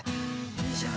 よいしょ。